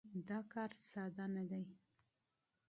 دا کار ساده نه دی.